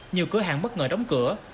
nhiều cửa hàng bất ngờ đóng cửa